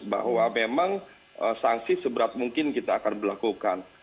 bahwa memang sanksi seberat mungkin kita akan berlakukan